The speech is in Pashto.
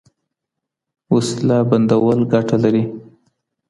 وسيله بندول ګټه لري.